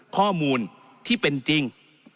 ข้อมูลที่เป็นจริง